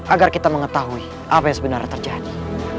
agar kita mengetahui apa yang sebenarnya terjadi